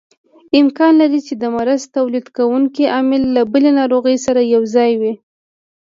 امکان لري چې د مرض تولید کوونکی عامل له بلې ناروغۍ سره یوځای وي.